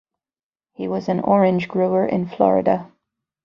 He was an orange grower in Florida.